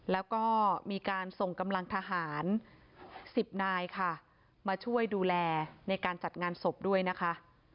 แล้วก็มีการส่งกำลังทหาร๑๐นายค่ะมาช่วยดูแลในการจัดงานศพด้วยนะคะ